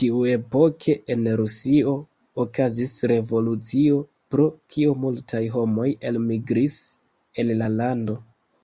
Tiuepoke en Rusio okazis revolucio, pro kio multaj homoj elmigris el la lando.